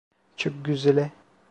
Çok güzeller.